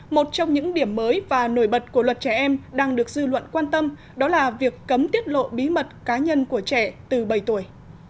một trong những điểm mới và nổi bật của luật trẻ em đang được dư luận quan tâm đó là việc cấm tiết lộ bí mật cá nhân của trẻ từ bảy tuổi